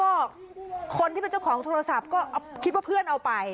ก็คนที่เป็นเจ้าของโทรศัพท์ก็คิดว่าเพื่อนเอาไป